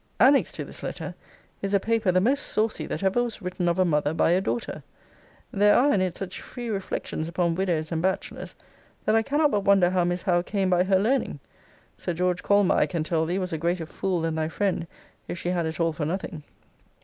Annexed to this letter is a paper the most saucy that ever was written of a mother by a daughter. There are in it such free reflections upon widows and bachelors, that I cannot but wonder how Miss Howe came by her learning. Sir George Colmar, I can tell thee, was a greater fool than thy friend, if she had it all for nothing.